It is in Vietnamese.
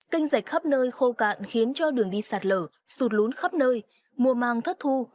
canh rạch khắp nơi khô cạn khiến cho đường đi sạt lở sụt lún khắp nơi mùa màng thất thu